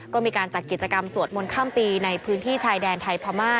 ก็มีการจัดกิจกรรมสวดมนต์ข้ามปีในพื้นที่ชายแดนไทยพม่า